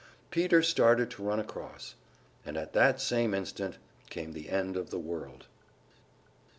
Peter started to run across and at that same instant came the end of the world.